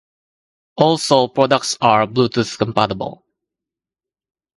All Soul products are Bluetooth compatible.